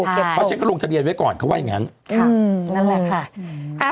เพราะฉันก็ลงทะเบียนไว้ก่อนเขาว่าอย่างนั้นนั่นแหละค่ะ